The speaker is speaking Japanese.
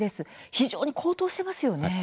非常に高騰していますね。